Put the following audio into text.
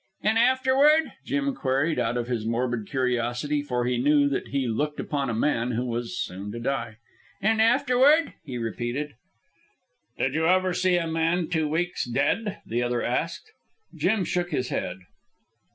"An' afterward?" Jim queried out of his morbid curiosity, for he knew that he looked upon a man that was soon to die. "An' afterward?" he repeated. "Did you ever see a man two weeks dead?" the other asked. Jim shook his head.